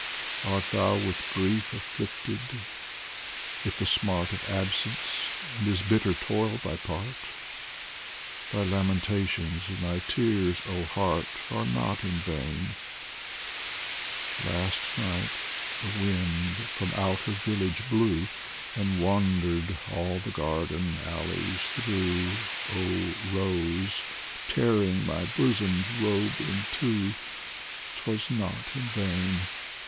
Art thou with grief afflicted, with the smart Of absence, and is bitter toil thy part ? Thy lamentations and thy tears, oh Heart, Are not in vain ! Last night the wind from out her village blew, And wandered all the garden alleys through, Oh rose, tearing thy bosom's robe in two ; 'Twas not in vain